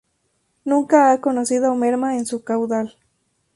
Nunca ha conocido merma en su caudal.